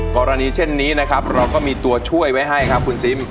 กรณีเช่นนี้นะครับเราก็มีตัวช่วยไว้ให้ครับคุณซิม